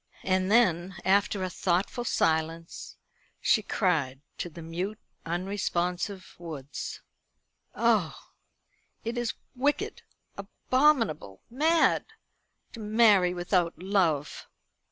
And then, after a thoughtful silence, she cried to the mute unresponsive woods: "Oh, it is wicked, abominable, mad, to marry without love!"